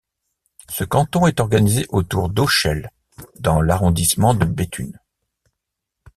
Ce canton est organisé autour d'Auchel dans l'arrondissement de Béthune.